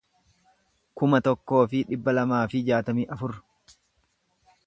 kuma tokkoo fi dhibba lamaa fi jaatamii afur